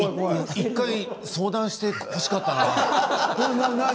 １回相談してほしかったな。